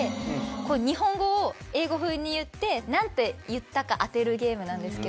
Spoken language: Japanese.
日本語を英語風に言って何て言ったか当てるゲームなんですけど。